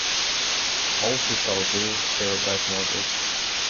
All seats are blue chair-back models.